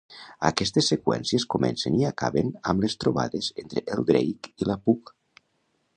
Aquestes seqüències comencen i acaben amb les trobades entre el Drake i la Pugh.